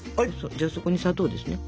じゃあそこに砂糖ですね。